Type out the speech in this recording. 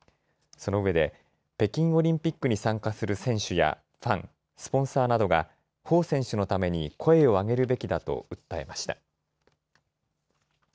そのうえで北京オリンピックに参加する選手やファン、スポンサーなどが彭選手のために声を上げるべきだと訴えました。